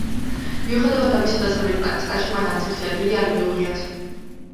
მიუხედავად ამისა, დასავლეთ პაკისტანში მათ არცერთი ადგილი არ მიუღიათ.